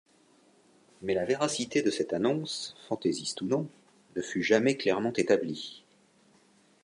Mais la véracité de cette annonce, fantaisiste ou non, ne fut jamais clairement établie.